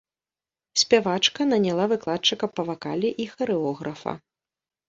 Спявачка наняла выкладчыка па вакале і харэографа.